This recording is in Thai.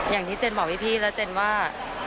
อย่างที่เจนบอกพี่และเจนว่า